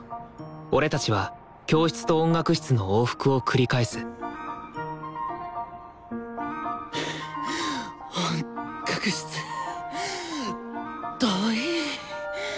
俺たちは教室と音楽室の往復を繰り返す音楽室遠い。